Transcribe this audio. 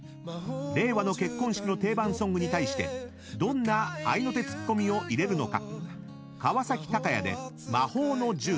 令和の結婚式の定番ソングに対してどんな合いの手ツッコミを入れるのか？］